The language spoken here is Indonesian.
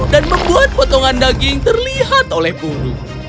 membuat potongan daging terlihat oleh burung